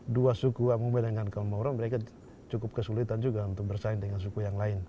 dua suku amomele dengan kamuro mereka cukup kesulitan juga untuk bersaing dengan suku yang lain